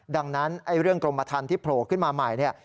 ดังนั้นเรื่องกรมทันที่โผล่ขึ้นมาใหม่เนี่ย